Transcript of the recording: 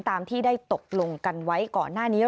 ตามที่ได้ตกลงกันไว้ก่อนหน้านี้